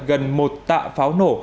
gần một tạ pháo nổ